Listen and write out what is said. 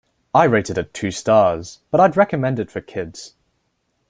I rate it at two stars, but I'd recommend it for kids.